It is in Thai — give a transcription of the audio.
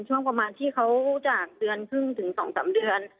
ช่วงประมาณที่เขาจากเดือนครึ่งถึง๒๓เดือน